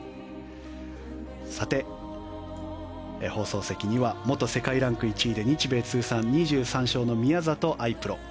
さて、放送席には元世界ランク１位で日米通算２３勝の宮里藍プロ。